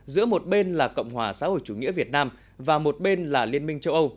giữa một bên là cộng hòa xã hội chủ nghĩa việt nam và một bên là liên minh châu âu